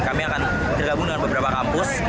kami akan tergabung dengan beberapa kampus